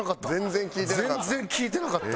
全然聞いてなかった。